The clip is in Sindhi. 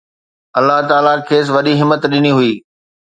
الله تعاليٰ کيس وڏي همت ڏني هئي